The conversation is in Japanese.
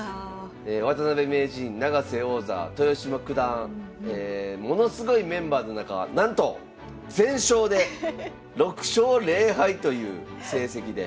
渡辺名人永瀬王座豊島九段ものすごいメンバーの中なんと全勝で６勝０敗という成績で。